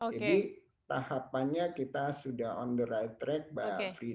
jadi tahapannya kita sudah on the right track mbak frida